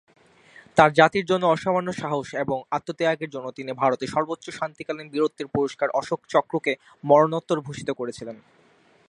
তাঁর জাতির জন্য অসামান্য সাহস এবং আত্মত্যাগের জন্য, তিনি ভারতে সর্বোচ্চ শান্তিকালীন বীরত্বের পুরস্কার অশোক চক্রকে মরণোত্তর ভূষিত করেছিলেন।